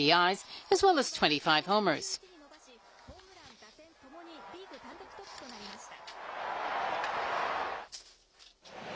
大谷は打点を６１に伸ばし、ホームラン、打点ともにリーグ単独トップとなりました。